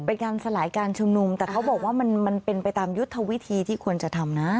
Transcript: เป็นการสลายการชุมนุมแต่เขาบอกว่ามันเป็นไปตามยุทธวิธีที่ควรจะทำนะ